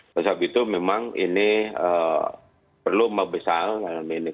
oleh sebab itu memang ini perlu membesar dalam ini